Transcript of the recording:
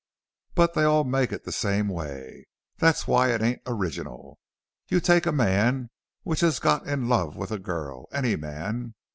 But they all make it the same way. That's why it ain't original. You take a man which has got in love with a girl any man.